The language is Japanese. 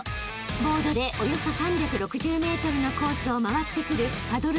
［ボードでおよそ３６０ｍのコースを回ってくる］